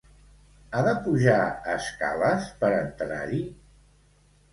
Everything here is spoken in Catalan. Ha de pujar escales per entrar-hi?